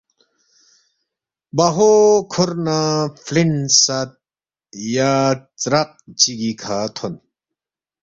باہو کھور نہ فلین ساد یا ژراق چیگی کھا تھون۔